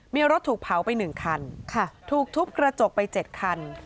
มีรถถูกเผาไป๑คันถูกทุบกระจกไป๗คัน